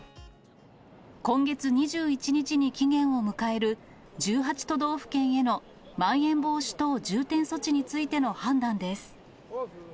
今月２１日に期限を迎える、１８都道府県へのまん延防止等重点措置についての判断です。